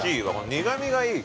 苦みがいい！